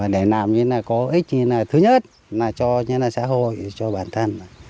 để làm có ích thứ nhất cho xã hội cho bản thân